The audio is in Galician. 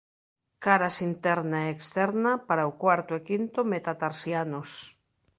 Caras interna e externa para o cuarto e quinto metatarsianos.